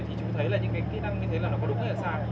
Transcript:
thì chú thấy là những cái kỹ năng như thế là nó có đúng hay là sai